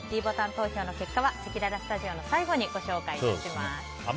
ｄボタン投票の結果はせきららスタジオの最後にご紹介致します。